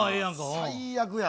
最悪やわ。